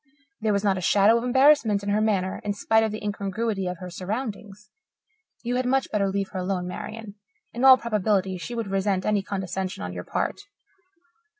There was not a shadow of embarrassment in her manner, in spite of the incongruity of her surroundings. You had much better leave her alone, Marian. In all probability she would resent any condescension on your part.